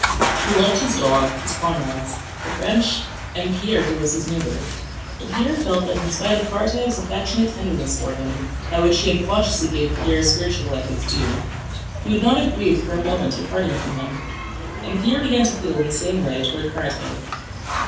He loved his dog, his comrades, the French, and Pierre who was his neighbor, but Pierre felt that in spite of Karatáev's affectionate tenderness for him (by which he unconsciously gave Pierre's spiritual life its due) he would not have grieved for a moment at parting from him. And Pierre began to feel in the same way toward Karatáev.